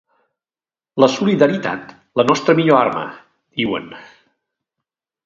La solidaritat, la nostra millor arma!, diuen.